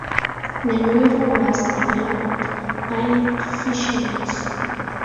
Nemuro was developed by fisheries.